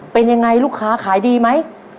เป็นยังไงลูกค้าขายดีไหม